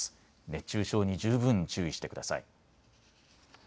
熱中症に十分注意してください。